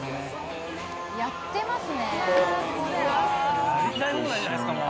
やってますね。